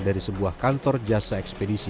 dari sebuah kantor jasa ekspedisi